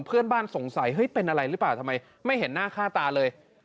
เพื่อนบ้านสงสัยเฮ้ยเป็นอะไรหรือเปล่าทำไมไม่เห็นหน้าค่าตาเลย